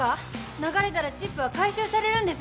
流れたらチップは回収されるんです。